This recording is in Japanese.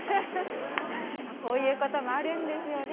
こういうこともあるんですよね。